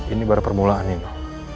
ini baru permulaan nino